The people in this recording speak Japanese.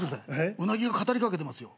うなぎが語りかけてますよ。